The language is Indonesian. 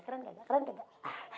keren gak keren gak